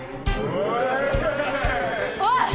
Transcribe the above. おい！